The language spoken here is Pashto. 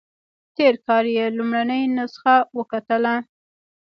تېر کال یې لومړنۍ نسخه وکتله.